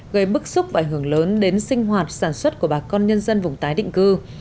gây bức xúc và ảnh hưởng lớn đến sinh hoạt sản xuất của bà con nhân dân vùng tái định cư